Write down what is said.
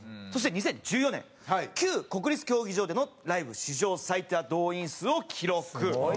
そして２０１４年旧国立競技場でのライブ史上最多動員数を記録。